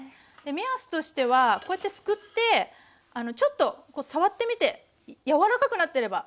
目安としてはこうやってすくってちょっと触ってみて柔らかくなってれば。